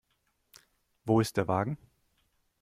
Wo ist der Wagen?